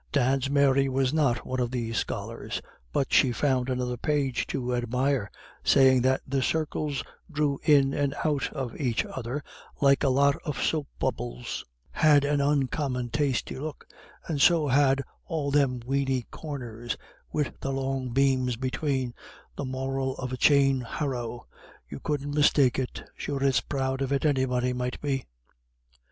Dan's Mary was not one of these scholars, but she found another page to admire, saying that the circles "drew in and out of aich other like a lot of soap bubbles, had an oncommon tasty look, and so had all them weeny corners, wid the long bames between, the moral of a chain harrow, you couldn't mistake it. Sure it's proud of it anybody might be."